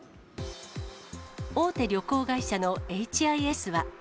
大手旅行会社のＨＩＳは。